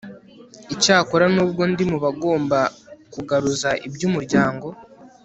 cyakora n'ubwo ndi mu bagomba kugaruza iby'umuryango